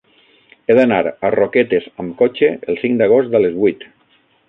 He d'anar a Roquetes amb cotxe el cinc d'agost a les vuit.